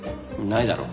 ないだろ。